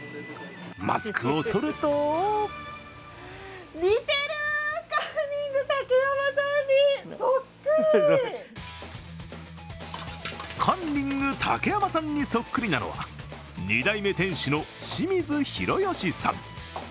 マスクを取るとカンニング竹山さんにそっくりなのは、２代目店主の清水宏悦さん。